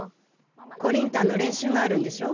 コリンタンのれんしゅうがあるんでしょ？